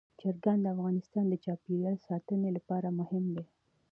چرګان د افغانستان د چاپیریال ساتنې لپاره مهم دي.